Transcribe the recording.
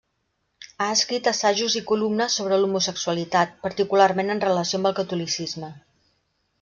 Ha escrit assajos i columnes sobre l'homosexualitat, particularment en relació amb el catolicisme.